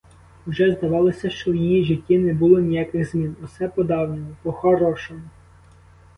Уже здавалося, що в її житті не було ніяких змін, усе по-давньому, по-хорошому.